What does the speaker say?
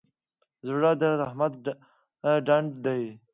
زړه د رحمت ډنډ دی.